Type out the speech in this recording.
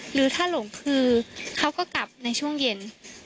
หรือถ้าหลงคือเขาก็กลับในช่วงเย็น